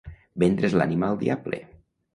Vendre's l'ànima al diable.